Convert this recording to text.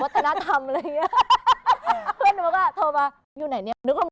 วัตถนธรรมอะไรเงี้ยเพื่อนหนูบอกว่าโทรมาอยู่ไหนเนี่ยนึกว่า